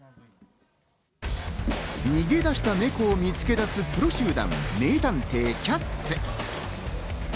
逃げ出したネコを見つけ出すプロ集団、名探偵キャッツ。